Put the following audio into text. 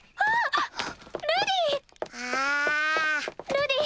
ルディ！